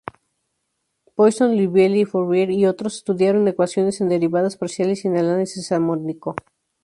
Poisson, Liouville, Fourier y otros, estudiaron ecuaciones en derivadas parciales y el Análisis armónico.